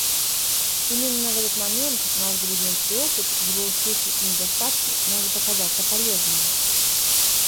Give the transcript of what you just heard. Именно в этот момент наш грузинский опыт — его успехи и недостатки — может оказаться полезным.